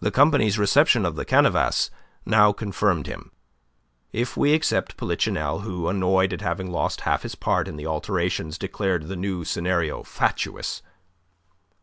The company's reception of the canevas now confirmed him, if we except Polichinelle, who, annoyed at having lost half his part in the alterations, declared the new scenario fatuous.